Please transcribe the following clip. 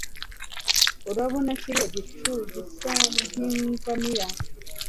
Urabona kiriya gicu gisa nkingamiya